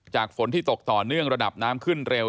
ฝนที่ตกต่อเนื่องระดับน้ำขึ้นเร็ว